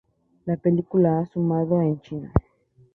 La película ha sumado en China.